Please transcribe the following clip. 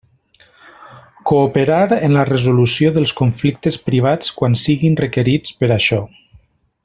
Cooperar en la resolució dels conflictes privats quan siguin requerits per això.